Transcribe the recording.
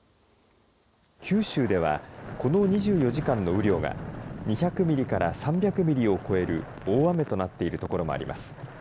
九州ではこの２４時間の雨量が２００ミリから３００ミリを超える大雨となっている所もあります。